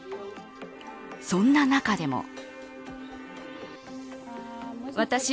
そんな中でも。